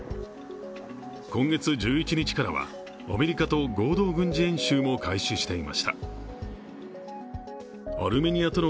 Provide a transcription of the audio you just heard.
今月１１日からはアメリカと合同軍事演習も開始していました。